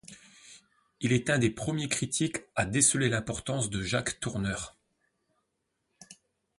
Il est un des premiers critiques à déceler l'importance de Jacques Tourneur.